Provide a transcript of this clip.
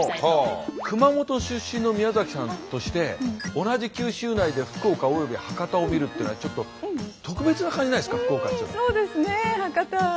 熊本出身の宮崎さんとして同じ九州内で福岡および博多を見るというのはちょっと特別な感じないですか？